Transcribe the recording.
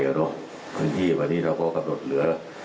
เพราะฉะนั้นที่วันนี้เราก็กำหนดเหลือ